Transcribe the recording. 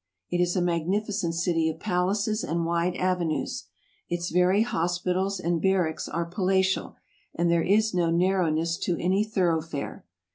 It is a magnificent city of palaces and wide avenues. Its very hospitals and barracks are palatial, and there is no narrowness to any thoroughfare.